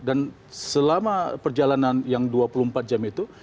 dan selama perjalanan yang dua puluh empat jam itu